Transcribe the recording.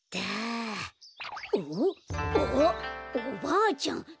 あっおばあちゃん。